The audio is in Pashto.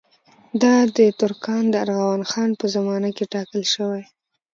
دا ترکان د ارغون خان په زمانه کې ټاکل شوي.